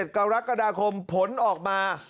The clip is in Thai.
๑กรกฎาคมผลออกมา